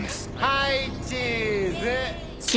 はいチーズ！